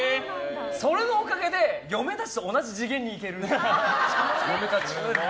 それのおかげで嫁たちと同じ次元に行ける。